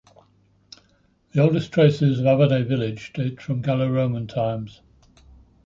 The oldest traces of Avenay village date from Gallo-Roman times.